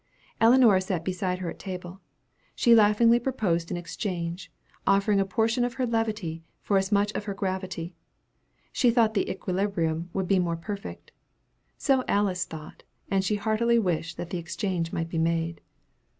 Ellinora sat beside her at table. She laughingly proposed an exchange, offering a portion of her levity for as much of her gravity. She thought the equilibrium would be more perfect. So Alice thought, and she heartily wished that the exchange might be made.